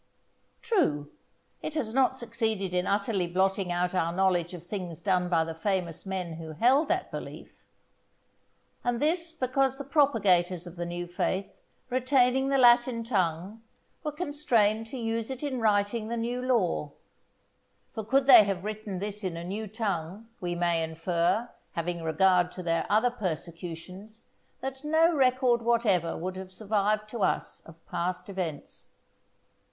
True, it has not succeeded in utterly blotting out our knowledge of things done by the famous men who held that belief; and this because the propagators of the new faith, retaining the Latin tongue, were constrained to use it in writing the new law; for could they have written this in a new tongue, we may infer, having regard to their other persecutions, that no record whatever would have survived to us of past events.